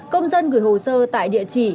công dân gửi hồ sơ tại địa chỉ